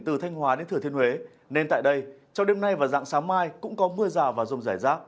từ thanh hóa đến thừa thiên huế nên tại đây trong đêm nay và dạng sáng mai cũng có mưa rào và rông rải rác